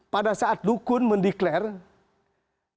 pada saat dukun mendeklarasi